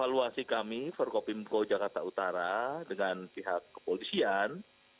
evaluasi kami forkopimko jakarta utara dengan pihak kepolisian